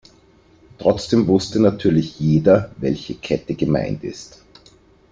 Trotzdem wusste natürlich jeder, welche Kette gemeint ist.